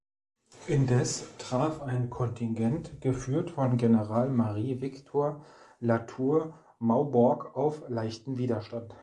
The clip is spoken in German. Indes traf ein Kontingent, geführt von General Marie Victor Latour-Maubourg auf leichten Widerstand.